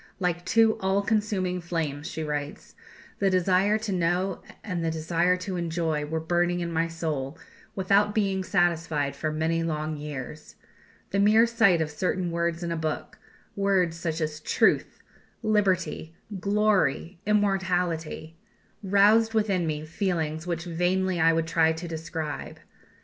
"Like two all consuming flames," she writes, "the desire to know and the desire to enjoy were burning in my soul, without being satisfied for many long years. The mere sight of certain words in a book words such as Truth, Liberty, Glory, Immortality roused within me feelings which vainly I would try to describe.